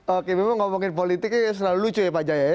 oke memang ngomongin politiknya selalu lucu ya pak jaya ya